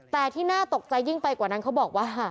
แต่ที่น่าตกใจยิ่งไปกว่านั้นเขาบอกว่า